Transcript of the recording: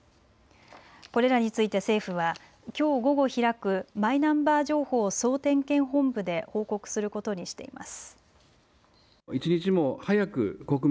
これらについて政府はきょう午後開くマイナンバー情報総点検本部で報告することにしています。